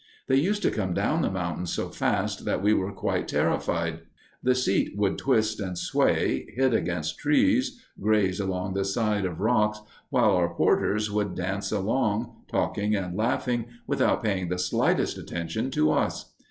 They used to come down the mountains so fast that we were quite terrified. The seat would twist and sway, hit against trees, graze along the side of rocks, while our porters would dance along, talking and laughing, without paying the slightest attention to us.